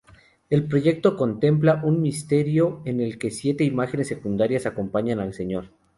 El proyecto contempla un misterio en el que siete imágenes secundarias acompañaran al Señor.